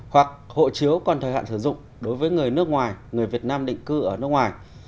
hoặc hộ chiếu còn thời hạn sử dụng đối với người nước ngoài người việt nam định cư ở nước ngoài